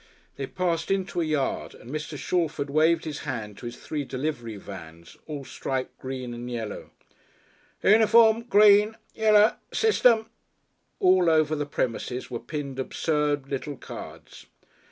They passed into a yard, and Mr. Shalford waved his hand to his three delivery vans all striped green and yellow "uniform green, yell'r System." All over the premises were pinned absurd little cards.